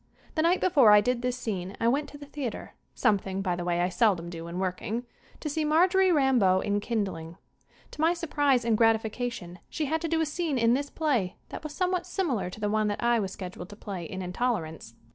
The night before I did this scene I went to the theater something, by the way, I seldom do when working to see Marjorie Rambeau in "Kindling." To my surprise and gratification she had to do a scene in this play that was somewhat simi lar to the one that I was scheduled to play in "Intolerance."